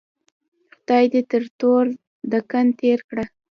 خدای دې تر تور دکن تېر کړه.